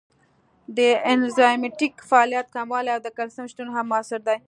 د انزایمټیک فعالیت کموالی او د کلسیم شتون هم مؤثر دی.